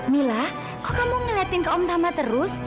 mila kok kamu ngeliatin ke om tama terus